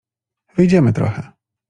— Wyjdziemy trochę.